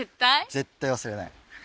絶対忘れない。